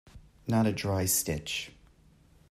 Not a dry stitch.